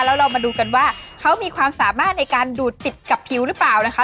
แล้วเรามาดูกันว่าเขามีความสามารถในการดูดติดกับผิวหรือเปล่านะคะ